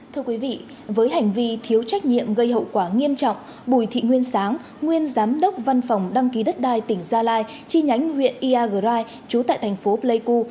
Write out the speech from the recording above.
thưa quý vị với hành vi thiếu trách nhiệm gây hậu quả nghiêm trọng bùi thị nguyên sáng nguyên giám đốc văn phòng đăng ký đất đai tỉnh gia lai chi nhánh huyện iagrai trú tại thành phố pleiku